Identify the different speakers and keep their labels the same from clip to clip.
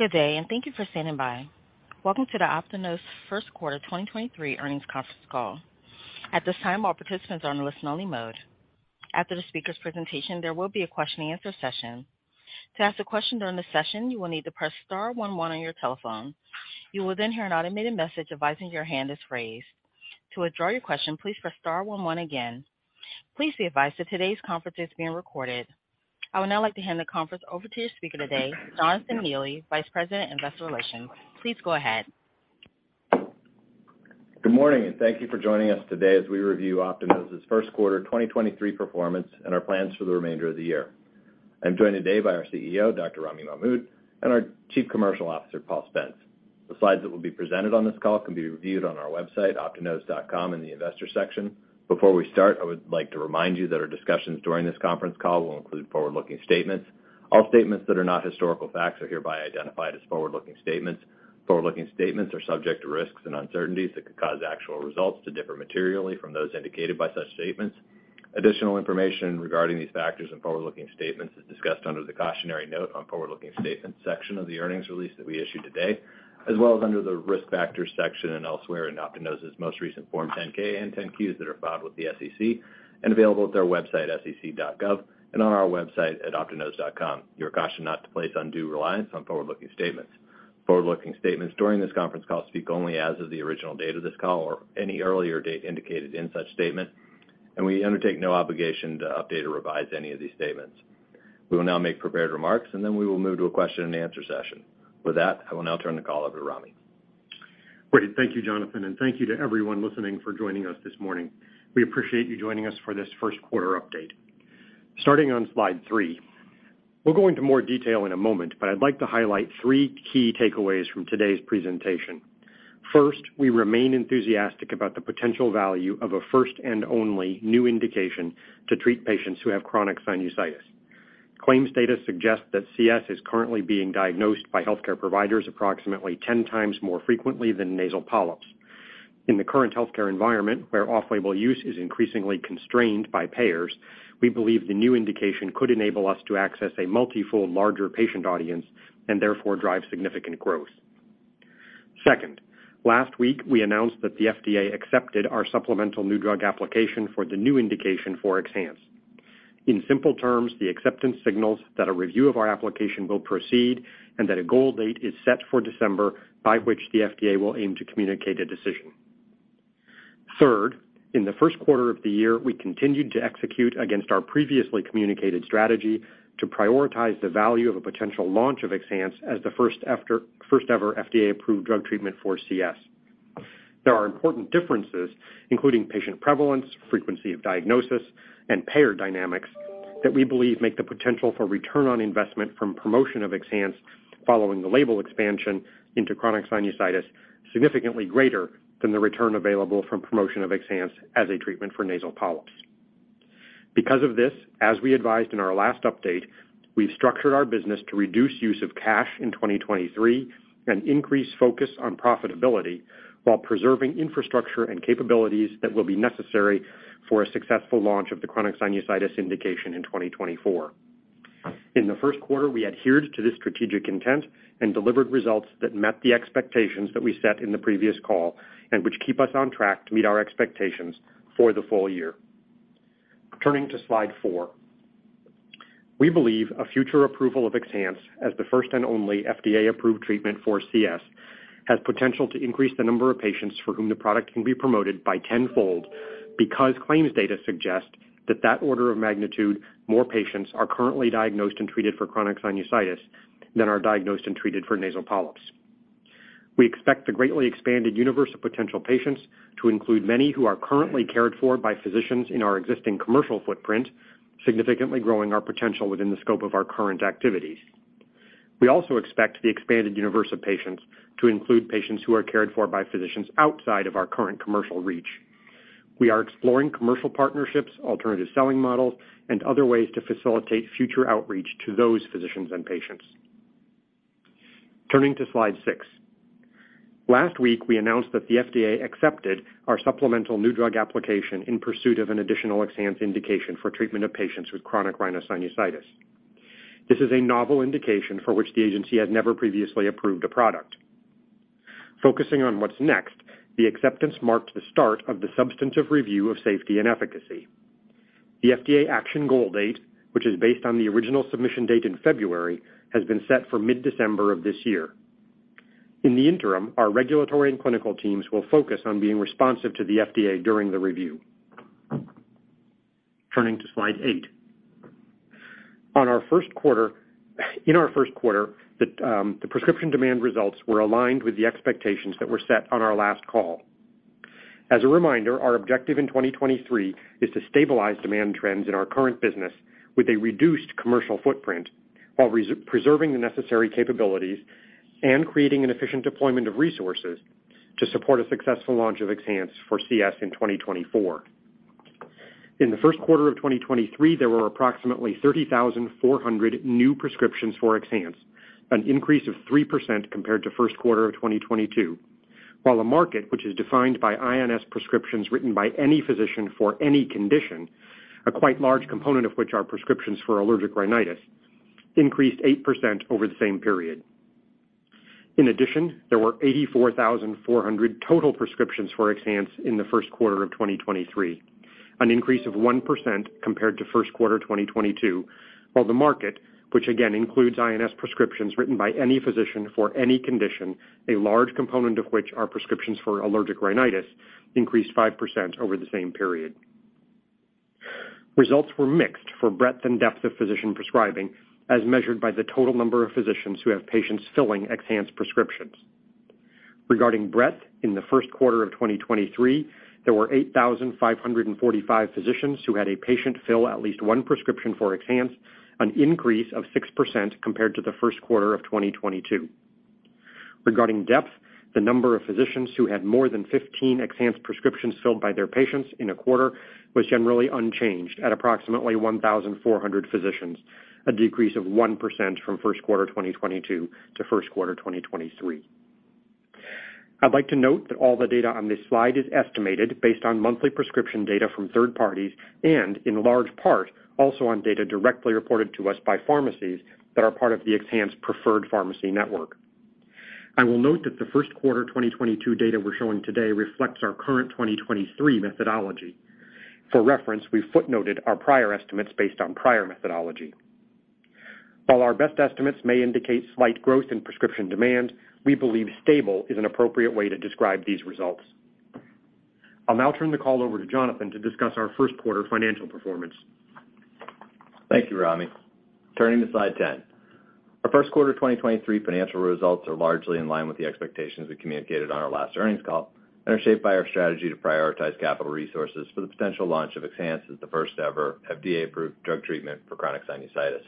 Speaker 1: Good day, and thank you for standing by. Welcome to the Optinose first quarter 2023 earnings conference call. At this time, all participants are on listen only mode. After the speaker's presentation, there will be a question and answer session. To ask a question during the session, you will need to press star one one on your telephone. You will hear an automated message advising your hand is raised. To withdraw your question, please press star one one again. Please be advised that today's conference is being recorded. I would now like to hand the conference over to your speaker today, Jonathan Neely, Vice President, Investor Relations. Please go ahead.
Speaker 2: Good morning, and thank you for joining us today as we review Optinose's first quarter 2023 performance and our plans for the remainder of the year. I'm joined today by our CEO, Dr. Ramy Mahmoud, and our Chief Commercial Officer, Paul Spence. The slides that will be presented on this call can be reviewed on our website, optinose.com, in the investors section. Before we start, I would like to remind you that our discussions during this conference call will include forward-looking statements. All statements that are not historical facts are hereby identified as forward-looking statements. Forward-looking statements are subject to risks and uncertainties that could cause actual results to differ materially from those indicated by such statements. Additional information regarding these factors and forward-looking statements is discussed under the cautionary note on forward-looking statements section of the earnings release that we issued today, as well as under the risk factors section and elsewhere in Optinose's most recent Form 10-K and 10-Qs that are filed with the SEC and available at their website, sec.gov, and on our website at optinose.com. You are cautioned not to place undue reliance on forward-looking statements. Forward-looking statements during this conference call speak only as of the original date of this call or any earlier date indicated in such statement, and we undertake no obligation to update or revise any of these statements. We will now make prepared remarks, and then we will move to a question and answer session. With that, I will now turn the call over to Ramy.
Speaker 3: Great. Thank you, Jonathan. Thank you to everyone listening for joining us this morning. We appreciate you joining us for this first quarter update. Starting on slide three. We'll go into more detail in a moment, but I'd like to highlight three key takeaways from today's presentation. First, we remain enthusiastic about the potential value of a first and only new indication to treat patients who have chronic sinusitis. Claims data suggest that CS is currently being diagnosed by healthcare providers approximately 10x more frequently than nasal polyps. In the current healthcare environment, where off-label use is increasingly constrained by payers, we believe the new indication could enable us to access a multifold larger patient audience and therefore drive significant growth. Second, last week we announced that the FDA accepted our supplemental New Drug Application for the new indication for XHANCE. In simple terms, the acceptance signals that a review of our application will proceed and that a goal date is set for December by which the FDA will aim to communicate a decision. Third, in the first quarter of the year, we continued to execute against our previously communicated strategy to prioritize the value of a potential launch of XHANCE as the first ever FDA-approved drug treatment for CS. There are important differences, including patient prevalence, frequency of diagnosis, and payer dynamics that we believe make the potential for return on investment from promotion of XHANCE following the label expansion into chronic sinusitis significantly greater than the return available from promotion of XHANCE as a treatment for nasal polyps. Because of this, as we advised in our last update, we've structured our business to reduce use of cash in 2023 and increase focus on profitability while preserving infrastructure and capabilities that will be necessary for a successful launch of the chronic sinusitis indication in 2024. In the first quarter, we adhered to this strategic intent and delivered results that met the expectations that we set in the previous call and which keep us on track to meet our expectations for the full year. Turning to slide four. We believe a future approval of XHANCE as the first and only FDA-approved treatment for CS has potential to increase the number of patients for whom the product can be promoted by tenfold because claims data suggest that that order of magnitude more patients are currently diagnosed and treated for chronic sinusitis than are diagnosed and treated for nasal polyps. We expect the greatly expanded universe of potential patients to include many who are currently cared for by physicians in our existing commercial footprint, significantly growing our potential within the scope of our current activities. We also expect the expanded universe of patients to include patients who are cared for by physicians outside of our current commercial reach. We are exploring commercial partnerships, alternative selling models, and other ways to facilitate future outreach to those physicians and patients. Turning to slide six. Last week, we announced that the FDA accepted our supplemental New Drug Application in pursuit of an additional XHANCE indication for treatment of patients with chronic rhinosinusitis. This is a novel indication for which the agency had never previously approved a product. Focusing on what's next, the acceptance marked the start of the substantive review of safety and efficacy. The FDA action goal date, which is based on the original submission date in February, has been set for mid-December of this year. In the interim, our regulatory and clinical teams will focus on being responsive to the FDA during the review. Turning to slide eight. In our first quarter, the prescription demand results were aligned with the expectations that were set on our last call. As a reminder, our objective in 2023 is to stabilize demand trends in our current business with a reduced commercial footprint while preserving the necessary capabilities and creating an efficient deployment of resources to support a successful launch of XHANCE for CS in 2024. In the first quarter of 2023, there were approximately 30,400 new prescriptions for XHANCE, an increase of 3% compared to first quarter of 2022. While the market, which is defined by INS prescriptions written by any physician for any condition, a quite large component of which are prescriptions for allergic rhinitis, increased 8% over the same period. In addition, there were 84,400 total prescriptions for XHANCE in the first quarter of 2023, an increase of 1% compared to first quarter 2022, while the market, which again includes INS prescriptions written by any physician for any condition, a large component of which are prescriptions for allergic rhinitis, increased 5% over the same period. Results were mixed for breadth and depth of physician prescribing, as measured by the total number of physicians who have patients filling XHANCE prescriptions. Regarding breadth, in the first quarter of 2023, there were 8,545 physicians who had a patient fill at least one prescription for XHANCE, an increase of 6% compared to the first quarter of 2022. Regarding depth, the number of physicians who had more than 15 XHANCE prescriptions filled by their patients in a quarter was generally unchanged at approximately 1,400 physicians, a decrease of 1% from first quarter 2022 to first quarter 2023. I'd like to note that all the data on this slide is estimated based on monthly prescription data from third parties and, in large part, also on data directly reported to us by pharmacies that are part of the XHANCE Preferred Pharmacy Network. I will note that the first quarter 2022 data we're showing today reflects our current 2023 methodology. For reference, we footnoted our prior estimates based on prior methodology. While our best estimates may indicate slight growth in prescription demand, we believe stable is an appropriate way to describe these results. I'll now turn the call over to Jonathan to discuss our first quarter financial performance.
Speaker 2: Thank you, Ramy. Turning to slide 10. Our first quarter 2023 financial results are largely in line with the expectations we communicated on our last earnings call and are shaped by our strategy to prioritize capital resources for the potential launch of XHANCE as the first ever FDA-approved drug treatment for chronic sinusitis.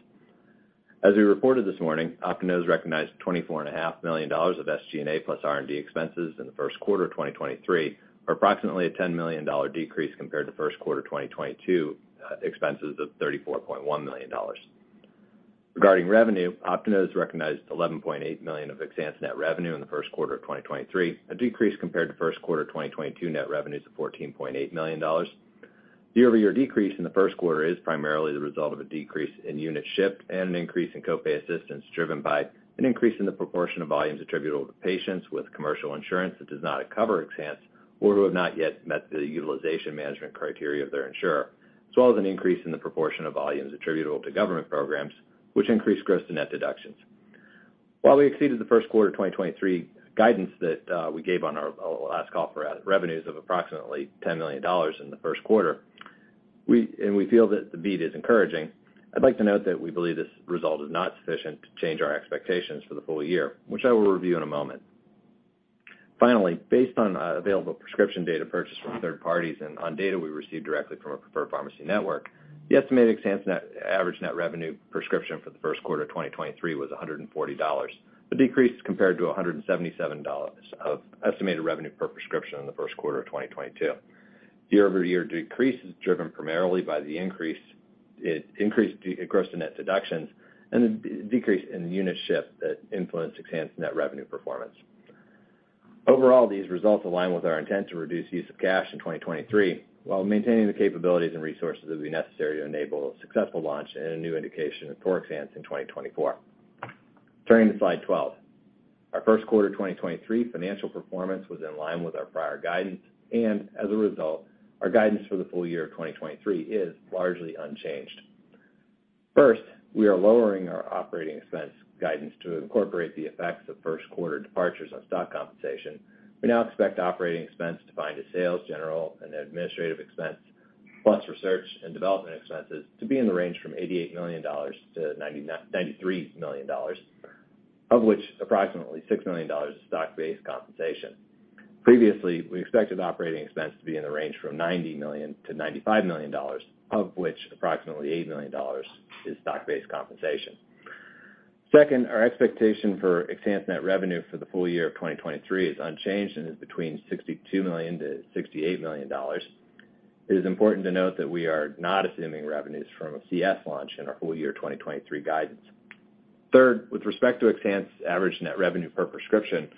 Speaker 2: As we reported this morning, Optinose recognized $24.5 million of SG&A plus R&D expenses in the first quarter of 2023, or approximately a $10 million decrease compared to first quarter 2022 expenses of $34.1 million. Regarding revenue, Optinose recognized $11.8 million of XHANCE net revenue in the first quarter of 2023, a decrease compared to first quarter 2022 net revenues of $14.8 million. The over-year decrease in the first quarter is primarily the result of a decrease in units shipped and an increase in copay assistance driven by an increase in the proportion of volumes attributable to patients with commercial insurance that does not cover XHANCE or who have not yet met the utilization management criteria of their insurer, as well as an increase in the proportion of volumes attributable to government programs, which increased gross-to-net deductions. While we exceeded the first quarter of 2023 guidance that we gave on our last call for revenues of approximately $10 million in the first quarter, we feel that the beat is encouraging, I'd like to note that we believe this result is not sufficient to change our expectations for the full year, which I will review in a moment. Finally, based on available prescription data purchased from third parties and on data we received directly from our XHANCE Preferred Pharmacy Network, the estimated XHANCE average net revenue per prescription for the first quarter of 2023 was $140, a decrease compared to $177 of estimated revenue per prescription in the first quarter of 2022. Year-over-year decrease is driven primarily by the increase due to gross-to-net deductions and the decrease in unit shipped that influenced XHANCE net revenue performance. Overall, these results align with our intent to reduce use of cash in 2023 while maintaining the capabilities and resources that would be necessary to enable a successful launch in a new indication for XHANCE in 2024. Turning to slide 12. Our first quarter 2023 financial performance was in line with our prior guidance, as a result, our guidance for the full year of 2023 is largely unchanged. First, we are lowering our operating expense guidance to incorporate the effects of first quarter departures on stock-based compensation. We now expect operating expense defined as sales, general, and administrative expense, plus research and development expenses to be in the range from $88 million-$93 million, of which approximately $6 million is stock-based compensation. Previously, we expected operating expense to be in the range from $90 million-$95 million, of which approximately $8 million is stock-based compensation. Second, our expectation for XHANCE net revenue for the full year of 2023 is unchanged and is between $62 million-$68 million. It is important to note that we are not assuming revenues from a CS launch in our full year 2023 guidance. Third, with respect to XHANCE average net revenue per prescription,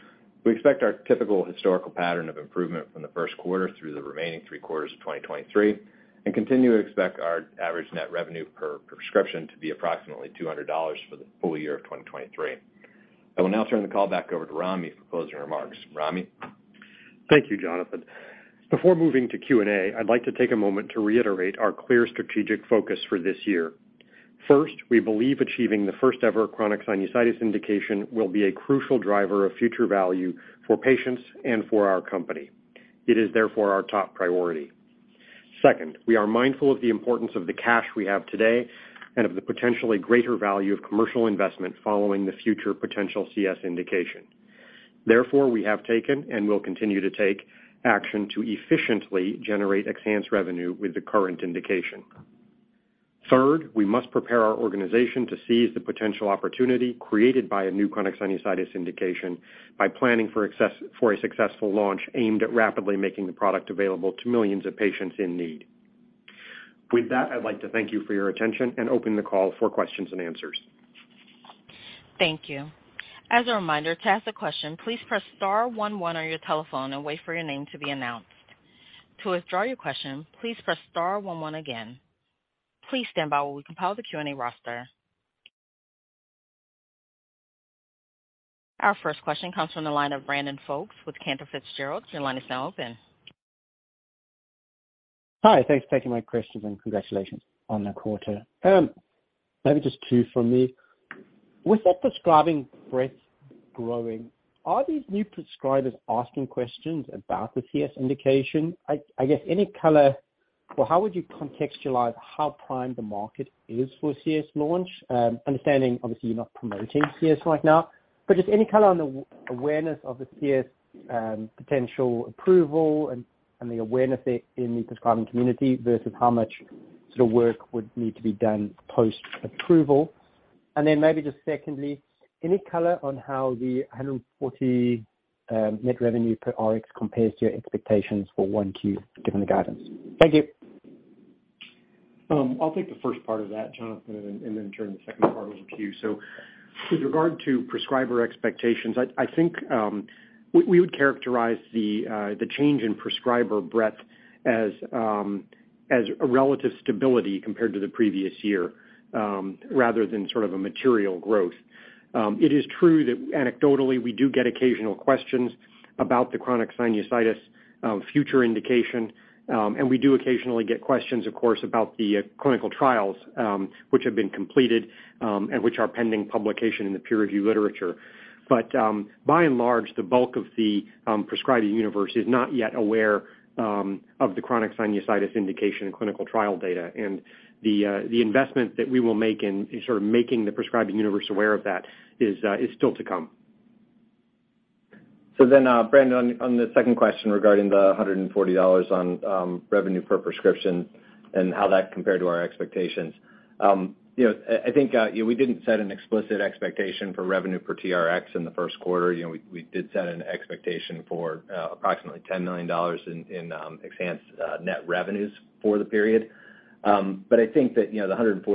Speaker 2: we expect our typical historical pattern of improvement from the first quarter through the remaining three quarters of 2023 and continue to expect our average net revenue per prescription to be approximately $200 for the full year of 2023. I will now turn the call back over to Ramy for closing remarks. Ramy?
Speaker 3: Thank you, Jonathan. Before moving to Q&A, I'd like to take a moment to reiterate our clear strategic focus for this year. First, we believe achieving the first ever chronic sinusitis indication will be a crucial driver of future value for patients and for our company. It is therefore our top priority. Second, we are mindful of the importance of the cash we have today and of the potentially greater value of commercial investment following the future potential CS indication. Therefore, we have taken and will continue to take action to efficiently generate XHANCE revenue with the current indication. Third, we must prepare our organization to seize the potential opportunity created by a new chronic sinusitis indication by planning for a successful launch aimed at rapidly making the product available to millions of patients in need. With that, I'd like to thank you for your attention and open the call for questions and answers.
Speaker 1: Thank you. As a reminder, to ask a question, please press star one one on your telephone and wait for your name to be announced. To withdraw your question, please press star one one again. Please stand by while we compile the Q&A roster. Our first question comes from the line of Brandon Folkes with Cantor Fitzgerald. Your line is now open.
Speaker 4: Hi, thanks for taking my questions and congratulations on the quarter. Maybe just two from me. With that prescribing breadth growing, are these new prescribers asking questions about the CS indication? how would you contextualize how primed the market is for CS launch? understanding obviously you're not promoting CS right now, but just any color on the awareness of the CS, potential approval and the awareness there in the prescribing community versus how much sort of work would need to be done post-approval. Maybe just secondly, any color on how the 140 net revenue per RX compares to your expectations for one Q, given the guidance? Thank you.
Speaker 3: I'll take the first part of that, Jonathan, and then turn the second part over to you. With regard to prescriber expectations, I think we would characterize the change in prescriber breadth as a relative stability compared to the previous year, rather than sort of a material growth. It is true that anecdotally we do get occasional questions about the chronic rhinosinusitis future indication. And we do occasionally get questions of course about the clinical trials which have been completed and which are pending publication in the peer-reviewed literature. By and large, the bulk of the prescribing universe is not yet aware of the chronic rhinosinusitis indication in clinical trial data. The, the investment that we will make in sort of making the prescribing universe aware of that is still to come.
Speaker 2: Brandon Folkes, on the second question regarding the $140 on revenue per prescription and how that compared to our expectations. You know, I think, you know, we didn't set an explicit expectation for revenue per TRX in the first quarter. You know, we did set an expectation for approximately $10 million in XHANCE net revenues for the period. I think that, you know, the $140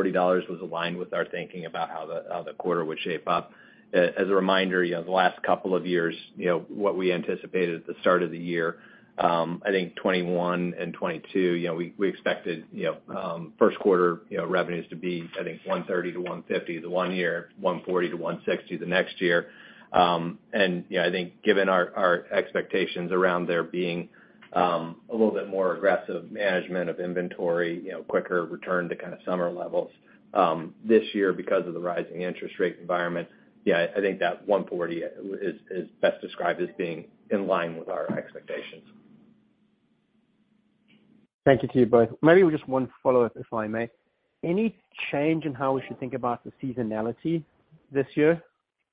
Speaker 2: was aligned with our thinking about how the quarter would shape up. As a reminder, you know, the last couple of years, you know, what we anticipated at the start of the year, I think 2021 and 2022, you know, we expected, you know, first quarter, you know, revenues to be, I think, $130-$150 the one year, $140-$160 the next year. I think given our expectations around there being a little bit more aggressive management of inventory, you know, quicker return to kind of summer levels this year because of the rising interest rate environment. I think that $140 is best described as being in line with our expectations.
Speaker 4: Thank you to you both. Maybe just one follow-up, if I may. Any change in how we should think about the seasonality this year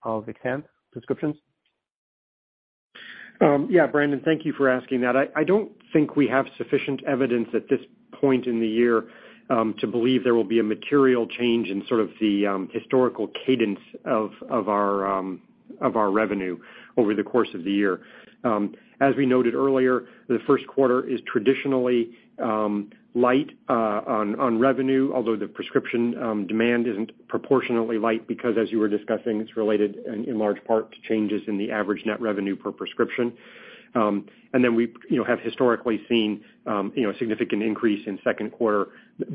Speaker 4: of XHANCE prescriptions?
Speaker 3: Yeah, Brandon, thank you for asking that. I don't think we have sufficient evidence at this point in the year to believe there will be a material change in sort of the historical cadence of our revenue over the course of the year. As we noted earlier, the first quarter is traditionally light on revenue, although the prescription demand isn't proportionately light because as you were discussing, it's related in large part to changes in the average net revenue per prescription. We've, you know, have historically seen, you know, a significant increase in second quarter,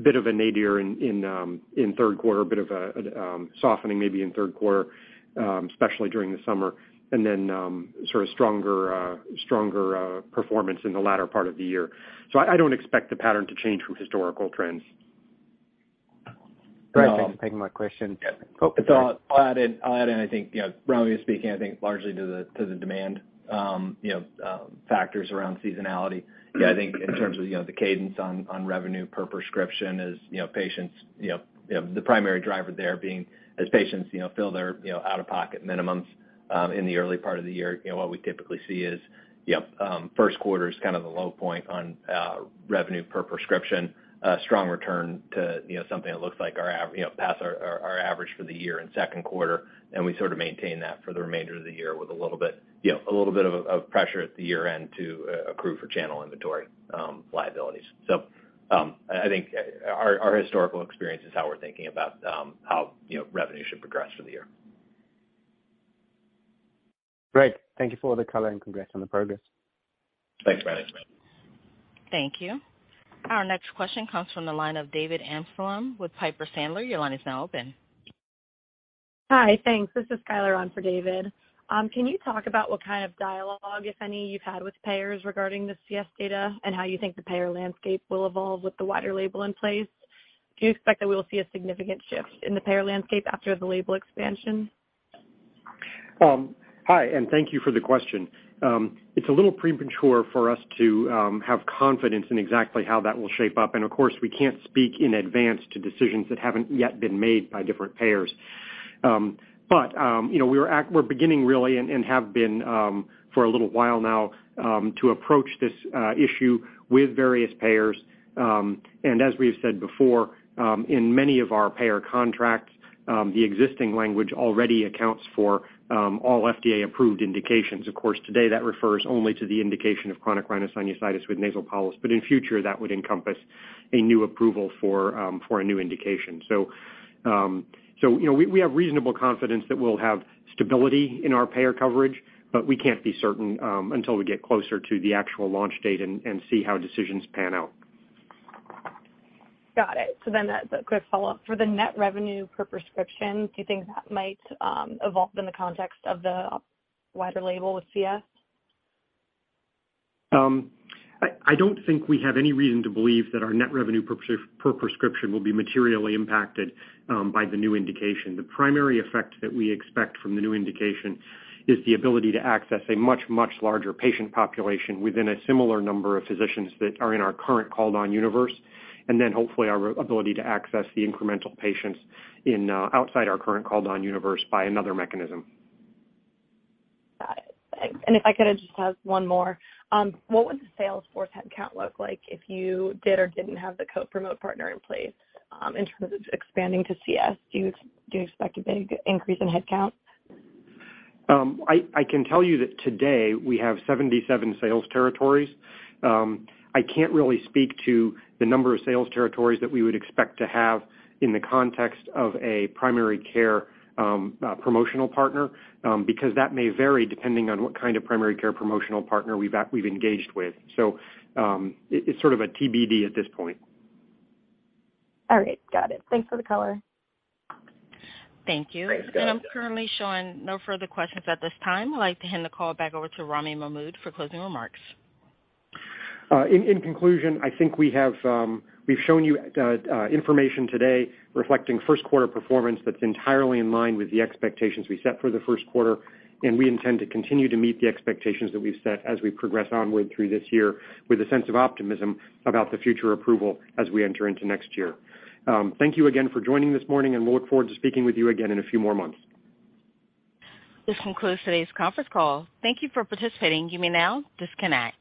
Speaker 3: bit of a nadir in third quarter, a bit of a softening maybe in third quarter, especially during the summer. Sort of stronger performance in the latter part of the year. I don't expect the pattern to change from historical trends.
Speaker 4: Great. Thanks for taking my question.
Speaker 2: I'll add in, I think, you know, broadly speaking, I think largely to the, to the demand, you know, factors around seasonality. I think in terms of, you know, the cadence on revenue per prescription is, you know, patients, you know, the primary driver there being as patients, you know, fill their, you know, out-of-pocket minimums in the early part of the year, you know, what we typically see is, you know, first quarter is kind of the low point on revenue per prescription. A strong return to, you know, something that looks like our average, you know, past our average for the year and second quarter. We sort of maintain that for the remainder of the year with a little bit, you know, a little bit of pressure at the year-end to accrue for channel inventory liabilities. I think our historical experience is how we're thinking about how, you know, revenue should progress for the year.
Speaker 4: Great. Thank you for the color and congrats on the progress.
Speaker 2: Thanks, Brandon.
Speaker 1: Thank you. Our next question comes from the line of David Amsellem with Piper Sandler. Your line is now open.
Speaker 5: Hi. Thanks. This is Skyler on for David. Can you talk about what kind of dialogue, if any, you've had with payers regarding the CS data and how you think the payer landscape will evolve with the wider label in place? Do you expect that we will see a significant shift in the payer landscape after the label expansion?
Speaker 3: Hi, thank you for the question. It's a little premature for us to have confidence in exactly how that will shape up. Of course, we can't speak in advance to decisions that haven't yet been made by different payers. you know, we're beginning really and have been for a little while now to approach this issue with various payers. As we've said before, in many of our payer contracts, the existing language already accounts for all FDA-approved indications. Of course, today, that refers only to the indication of chronic rhinosinusitis with nasal polyps. In future, that would encompass a new approval for for a new indication. So, you know, we have reasonable confidence that we'll have stability in our payer coverage, but we can't be certain, until we get closer to the actual launch date and see how decisions pan out.
Speaker 5: Got it. A quick follow-up. For the net revenue per prescription, do you think that might evolve in the context of the wider label with CS?
Speaker 3: I don't think we have any reason to believe that our net revenue per prescription will be materially impacted by the new indication. The primary effect that we expect from the new indication is the ability to access a much, much larger patient population within a similar number of physicians that are in our current called on universe, and then hopefully our ability to access the incremental patients in outside our current called on universe by another mechanism.
Speaker 5: Got it. If I could just have one more. What would the sales force headcount look like if you did or didn't have the co-promote partner in place, in terms of expanding to CS? Do you expect a big increase in headcount?
Speaker 3: I can tell you that today we have 77 sales territories. I can't really speak to the number of sales territories that we would expect to have in the context of a primary care promotional partner because that may vary depending on what kind of primary care promotional partner we've engaged with. It's sort of a TBD at this point.
Speaker 5: All right, got it. Thanks for the color.
Speaker 1: Thank you.
Speaker 3: Great.
Speaker 1: I'm currently showing no further questions at this time. I'd like to hand the call back over to Ramy Mahmoud for closing remarks.
Speaker 3: In conclusion, I think we have, we've shown you information today reflecting first quarter performance that's entirely in line with the expectations we set for the first quarter. We intend to continue to meet the expectations that we've set as we progress onward through this year with a sense of optimism about the future approval as we enter into next year. Thank you again for joining this morning. We'll look forward to speaking with you again in a few more months.
Speaker 1: This concludes today's conference call. Thank you for participating. You may now disconnect.